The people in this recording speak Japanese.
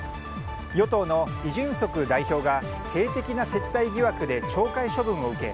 与党のイ・ジュンソク代表が性的な接待疑惑で懲戒処分を受け